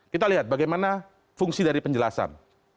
kita lihat bagaimana fungsi dari penjelasan